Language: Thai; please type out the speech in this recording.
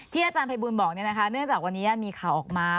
อาจารย์ภัยบูลบอกเนื่องจากวันนี้มีข่าวออกมา